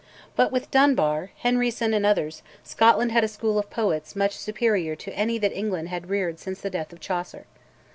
But with Dunbar, Henryson, and others, Scotland had a school of poets much superior to any that England had reared since the death of Chaucer.